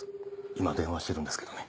今電話してるんですけどね。